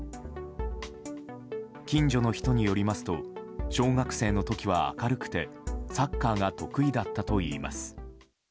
近所の人によりますと小学生の時は明るくてサッカーが得意だったといいます。